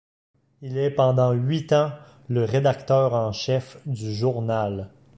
Il est pendant huit ans le rédacteur en chef du journal.